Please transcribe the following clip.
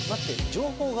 情報が。